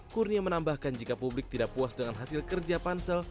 kurnia menambahkan jika publik tidak puas dengan hasil kerja pansel